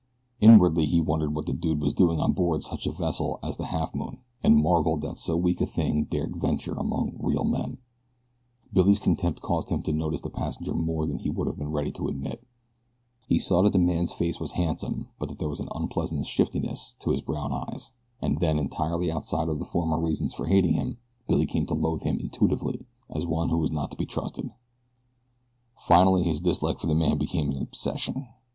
Inwardly he wondered what the dude was doing on board such a vessel as the Halfmoon, and marveled that so weak a thing dared venture among real men. Billy's contempt caused him to notice the passenger more than he would have been ready to admit. He saw that the man's face was handsome, but there was an unpleasant shiftiness to his brown eyes; and then, entirely outside of his former reasons for hating him, Billy came to loathe him intuitively, as one who was not to be trusted. Finally his dislike for the man became an obsession.